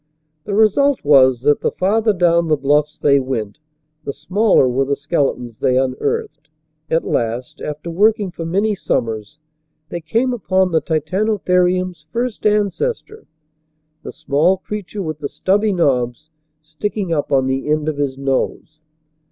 The result was that the farther down the bluffs they went the smaller were the skeletons they unearthed. At last, after work ing for many summers, they came upon the Titano therium's first ancestor, the small creature with the stubby knobs sticking up on the end of his nose